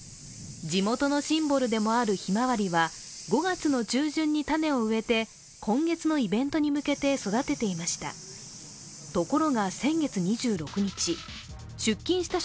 地元のシンボルでもあるひまわりは５月の中旬に種を植えて今月のイベントに向けて育てていました。